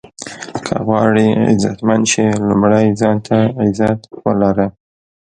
که غواړئ عزتمند شې لومړی ځان ته عزت ولره.